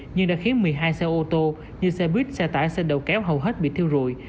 nhưng đã khiến một mươi hai xe ô tô như xe buýt xe tải xe đầu kéo hầu hết bị thiêu rụi